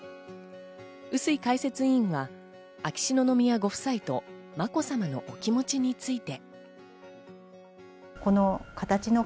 笛吹解説委員は秋篠宮ご夫妻と、まこさまのお気持ちについて。